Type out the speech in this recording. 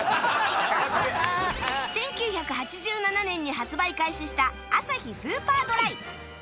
１９８７年に発売開始したアサヒスーパードライ